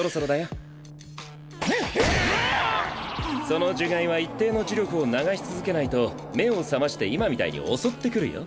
その呪骸は一定の呪力を流し続けないと目を覚まして今みたいに襲ってくるよ。